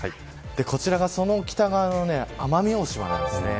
こちらがその北側の奄美大島なんですね。